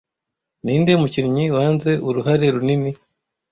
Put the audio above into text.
Ninde mukinnyi wanze uruhare runini